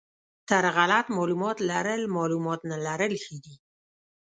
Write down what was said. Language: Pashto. تر غلط معلومات لرل معلومات نه لرل ښه دي.